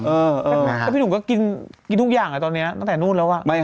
แล้วพี่หนุ่มก็กินทุกอย่างตอนนี้ตั้งแต่นู่นแล้ว